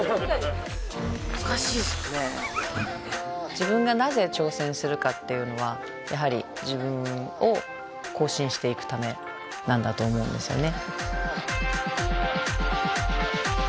自分がなぜ挑戦するかっていうのはやはり自分を更新していくためなんだと思うんですよね。